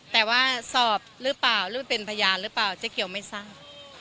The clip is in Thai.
แต่ว่าสอบหรือเปล่าหรือเป็นพยานหรือเปล่าเจ๊เกียวไม่ทราบ